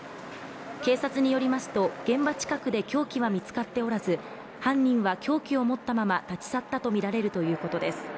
警察によりますと、現場近くで凶器は見つかっておらず犯人は凶器を持ったまま立ち去ったとみられるということです。